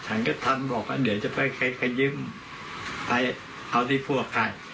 ฉันก็ทำบอกว่าเดี๋ยวจะไปขยิ้มไปเอาที่ผัวไข่